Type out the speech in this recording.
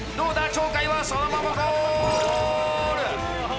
鳥海はそのままゴール！